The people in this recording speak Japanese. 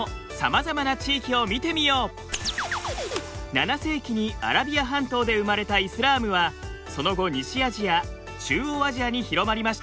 ７世紀にアラビア半島で生まれたイスラームはその後西アジア中央アジアに広まりました。